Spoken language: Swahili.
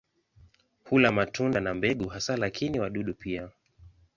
Hula matunda na mbegu hasa, lakini wadudu pia.